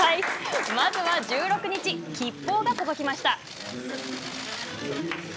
まずは１６日吉報が届きました。